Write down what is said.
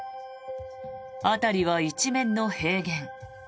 辺りは一面の平原。